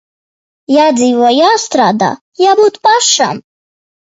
Jādzīvo, jāstrādā, jābūt pašam.